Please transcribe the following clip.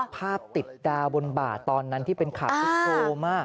ภาพติดดาบนบ่าตอนนั้นที่เป็นขาพิโภมา